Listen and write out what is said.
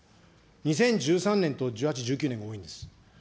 ２０１３年と１８、１９年が多いんです。